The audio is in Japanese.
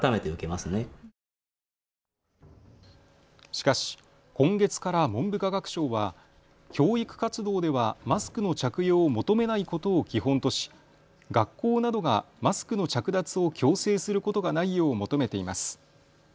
しかし今月から文部科学省は教育活動ではマスクの着用を求めないことを基本とし学校などがマスクの着脱を強制することがないよう求めています。